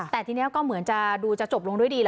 แต่ทีนี้ก็เหมือนจะดูจะจบลงด้วยดี